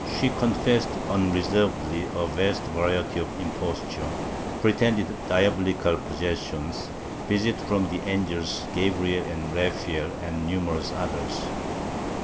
She confessed unreservedly a vast variety of impostures, pretended diabolical possession, visits from the angels Gabriel and Raphael and numerous others.